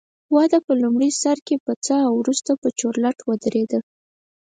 وده په لومړي سر کې پڅه او وروسته چورلټ ودرېده